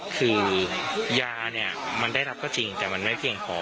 คือยาเนี่ยมันได้รับก็จริงแต่มันไม่เพียงพอ